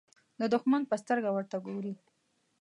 د دښمن په سترګه ورته ګوري.